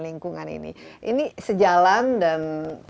lingkungan ini ini sejalan dan